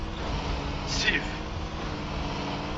Sif.